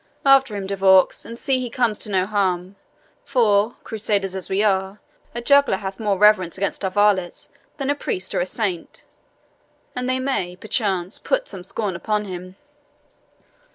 "After him, De Vaux, and see he comes to no harm; for, Crusaders as we are, a juggler hath more reverence amongst our varlets than a priest or a saint, and they may, perchance, put some scorn upon him."